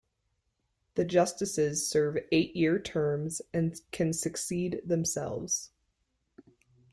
The justices serve eight-year terms and can succeed themselves.